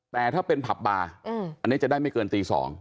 แต่ถ้าเป็นผับบาร์อันนี้จะได้ไม่เกินตี๒